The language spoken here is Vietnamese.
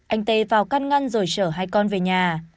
anh tê vào căn ngăn rồi chở hai con về nhà